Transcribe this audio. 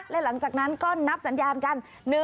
และหลังจากนั้นก็นับสัญญาณกัน